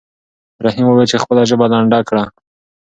رحیم وویل چې خپله ژبه لنډه کړه.